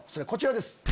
こちらです！